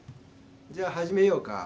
じゃあ始めようか。